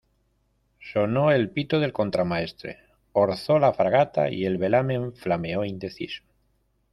sonó el pito del contramaestre, orzó la fragata y el velamen flameó indeciso.